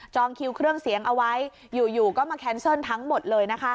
คิวเครื่องเสียงเอาไว้อยู่ก็มาแคนเซิลทั้งหมดเลยนะคะ